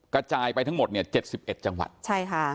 กระจายไปทั้งหมดเนี่ยเจ็ดสิบเอ็ดจังหวัดใช่ค่ะ